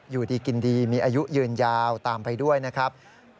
อยู่ดีกินดีมีอายุยืนยาวตามไปด้วยนะครับ